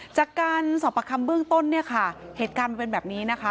จากการสอบประคำเบื้องต้นเนี่ยค่ะเหตุการณ์มันเป็นแบบนี้นะคะ